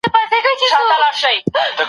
ما نن په خپل ذهن کي یو نوی فکر پیدا کړ.